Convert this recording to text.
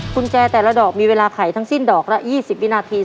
กุญแจแต่ละดอกมีเวลาไขทั้งสิ้นดอกละ๒๐วินาที